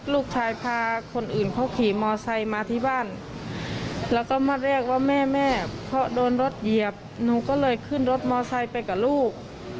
ลูกชายพาคนอื่นเขาขี่มอไซค์มาที่บ้านแล้วก็มาเรียกว่าแม่แม่เพราะโดนรถเหยียบหนูก็เลยขึ้นรถมอไซค์ไปกับลูก